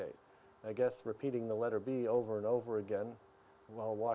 sebagai program intervensi awal